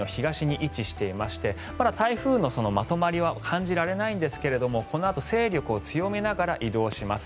現在、フィリピンの東の位置に位置していましてまだ台風のまとまりは感じられないんですがこのあと勢力を強めながら移動します。